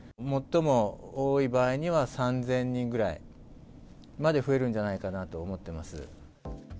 最も多い場合には、３０００人ぐらいまで増えるんじゃないかなと思っています。